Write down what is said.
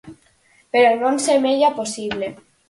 Pero non semella posible.